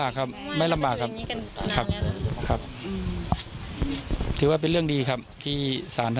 โอเคผมนะชื่อประยูนขันขาวนะ